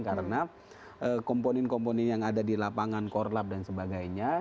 karena komponen komponen yang ada di lapangan korlap dan sebagainya